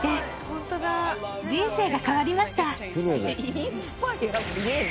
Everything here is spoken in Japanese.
インスパイアすげえな。